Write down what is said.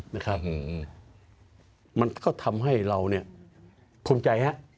นะครับมันก็ทำให้เราเนี่ยภูมิใจฮะ